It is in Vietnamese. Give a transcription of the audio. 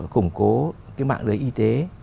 củng cố mạng lưới y tế